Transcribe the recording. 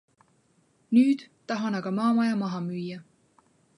Nüüd tahan aga maamaja maha müüa.